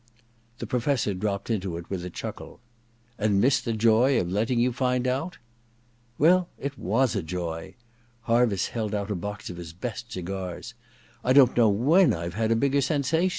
The Professor dropped into it with a chuckle. * And miss the joy of letting you find out ?'* Well — it was a joy.' Harviss held out a box of his best cigars. *I don't know when I've had a bigger sensation.